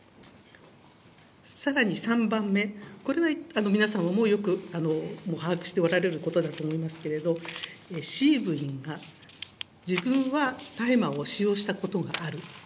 さらに３番目、これは皆様もよく把握しておられることだと思いますけれども、Ｃ部員が自分は大麻を使用したことがある。